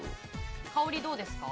香りどうですか？